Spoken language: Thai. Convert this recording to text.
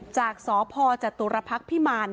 จากสพจตุรพักษ์พิมาร